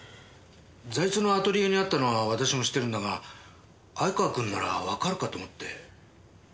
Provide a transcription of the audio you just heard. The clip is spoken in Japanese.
財津のアトリエにあったのは私も知ってるんだが相川君ならわかるかと思って。